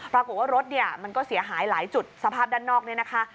ปรากฏว่ารถเนี่ยมันก็เสียหายหลายจุดสภาพด้านนอกเนี่ยนะคะ